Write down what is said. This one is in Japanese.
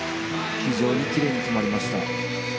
非常にきれいに決まりました。